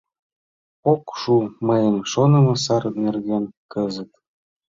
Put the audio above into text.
Ок шу мыйын шонымо сар нерген кызыт.